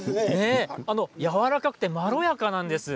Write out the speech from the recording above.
やわらかくてまろやかなんです。